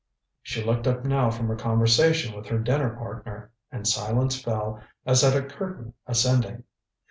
She looked up now from her conversation with her dinner partner, and silence fell as at a curtain ascending.